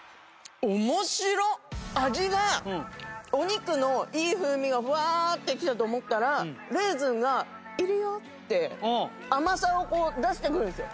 味がお肉のいい風味がブワーッてきたと思ったらレーズンが「いるよ」って甘さを出してくるんですよ。